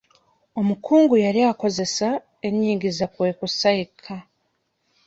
Omukungu yali akozesa enyingiza kwe kkusa yekka.